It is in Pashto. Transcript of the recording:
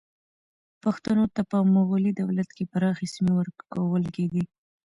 پښتنو ته په مغلي دولت کې پراخې سیمې ورکول کېدې.